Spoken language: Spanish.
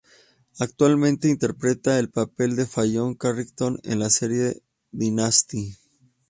Actualmente interpreta el papel de Fallon Carrington en la serie Dynasty.